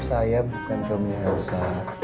saya bukan suaminya elsa